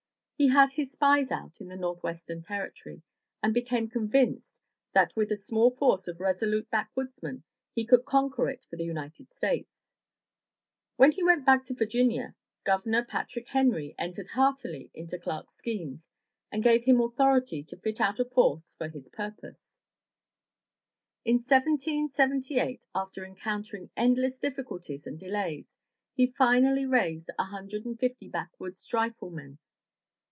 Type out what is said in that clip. He had his spies out in the Northwestern Territory, and became convinced that with a small force of resolute backwoodsmen he could conquer it for the United States. When he went back to Virginia, Governor Patrick Henry entered heartily into Clark's schemes and gave him authority to fit out a force for his purpose. In 1778, after encountering endless difficulties and delays, he finally raised a hundred and fifty backwoods riflemen.